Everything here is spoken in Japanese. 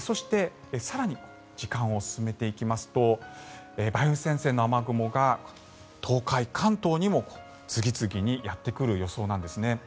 そして更に時間を進めていきますと梅雨前線の雨雲が東海・関東にも次々にやってくる予想なんですね。